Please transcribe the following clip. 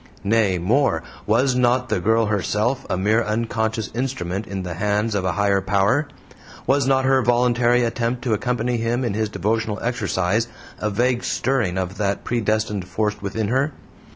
Nay, more, was not the girl herself a mere unconscious instrument in the hands of a higher power; was not her voluntary attempt to accompany him in his devotional exercise a vague stirring of that predestined force within her?